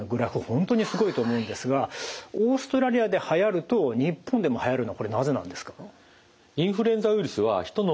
本当にすごいと思うんですがオーストラリアではやると日本でもはやるのはなぜなんですか？